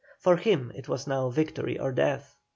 For him it was now victory or death.